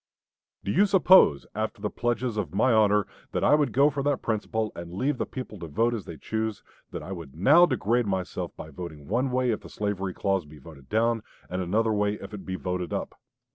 Do you suppose, after the pledges of my honor that I would go for that principle and leave the people to vote as they choose, that I would now degrade myself by voting one way if the slavery clause be voted down, and another way if it be voted up?